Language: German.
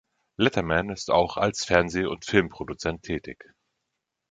Letterman ist auch als Fernseh- und Filmproduzent tätig.